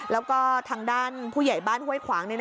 แล้วก็ทางด้านผู้ใหญ่บ้านห้วยขวาง